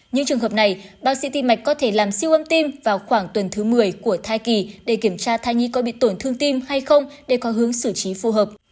những trường hợp này bác sĩ tim mạch có thể làm siêu âm tim vào khoảng tuần thứ một mươi của thai kỳ để kiểm tra thai nhi có bị tổn thương tim hay không để có hướng xử trí phù hợp